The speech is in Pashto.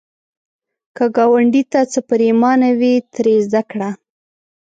که ګاونډي ته څه پرېمانه وي، ترې زده کړه